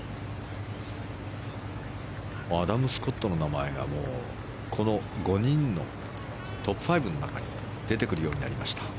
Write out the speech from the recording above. アダム・スコットの名前がこの５人のトップ５の中に出てくるようになりました。